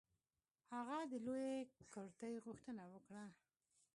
هغه د لویې کرتۍ غوښتنه وکړه.